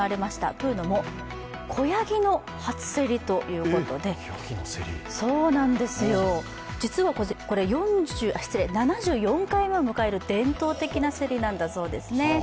というのも子ヤギの初競りということで実はこれ、７４回目を迎える伝統的な競りなんだそうですね。